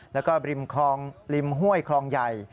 แล้วก็ริมห้วยคลองใหญ่